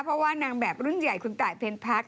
เพราะว่านางแบบรุ่นใหญ่คุณตายเพ็ญพัก